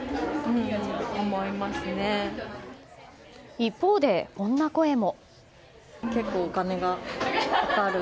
一方で、こんな声も。